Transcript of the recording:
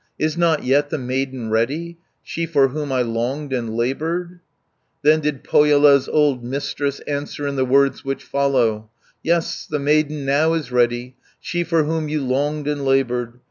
Is not yet the maiden ready, She for whom I longed and laboured?" Then did Pohjola's old Mistress Answer in the words which follow: "Yes, the maiden now is ready. She for whom you longed and laboured.